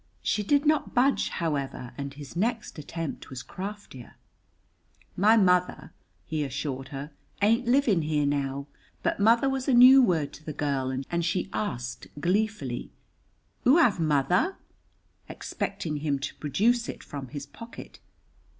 She did not budge, however, and his next attempt was craftier. "My mother," he assured her, "ain't living here now;" but mother was a new word to the girl, and she asked gleefully, "Oo have mother?" expecting him to produce it from his pocket.